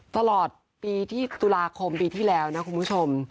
ตลอดปีที่ตุลาคมปีที่แล้วนะคุณผู้ชม